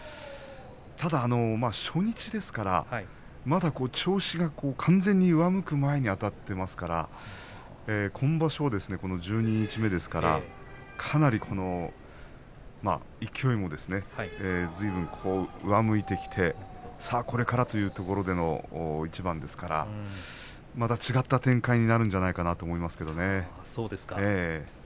ただ初日ですからまだ調子が上向く前にあたっていますから今場所は十二日目ですからかなり勢いも上向いてきてさあ、これからというところの一番ですからまた違った展開になるんじゃないかなと思いますけれど。